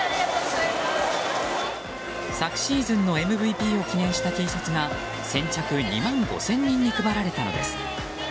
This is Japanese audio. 昨シーズンのＭＶＰを記念したＴシャツが先着２万５０００人に配られたのです。